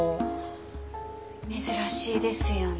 珍しいですよね。